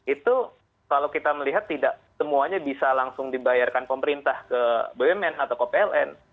itu kalau kita melihat tidak semuanya bisa langsung dibayarkan pemerintah ke bumn atau ke pln